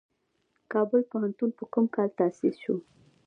کابل پوهنتون په کوم کال تاسیس شو؟